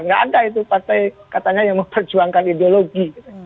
nggak ada itu partai katanya yang memperjuangkan ideologi